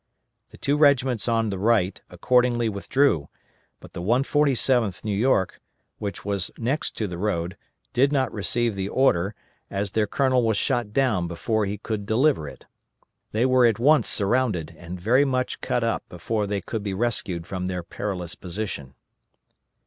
The two regiments on the right accordingly withdrew, but the 147th New York, which was next to the road, did not receive the order, as their Colonel was shot down before he could deliver it. They were at once surrounded and very much cut up before they could be rescued from their perilous position.